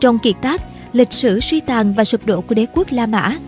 trong kiệt tác lịch sử suy tàn và sụp đổ của đế quốc la mã